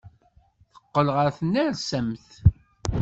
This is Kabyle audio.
Teqqel ɣer tnersamt.